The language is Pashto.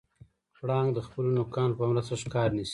پړانګ د خپلو نوکانو په مرسته ښکار نیسي.